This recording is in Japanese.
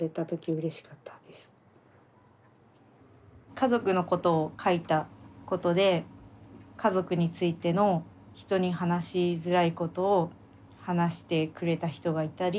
家族のことを書いたことで家族についての人に話しづらいことを話してくれた人がいたり。